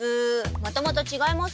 またまた違います。